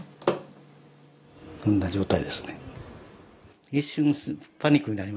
こんな状態ですね。